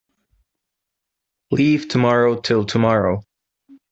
Leave tomorrow till tomorrow.